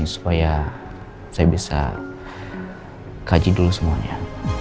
supaya saya bisa kaji dulu semuanya